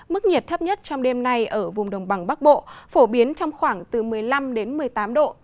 mức nhiệt thấp nhất trong đêm nay ở vùng đồng bằng bắc bộ phổ biến trong khoảng từ một mươi năm đến một mươi tám độ